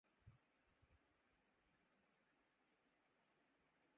واں کرم کو عذرِ بارش تھا عناں گیرِ خرام